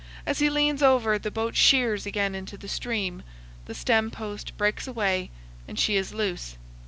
As he leans over, the boat sheers again into the stream, the stem post breaks away and she is loose.